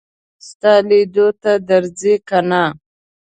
ستا لیدو ته درځي که نه.